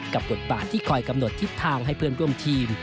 บทบาทที่คอยกำหนดทิศทางให้เพื่อนร่วมทีม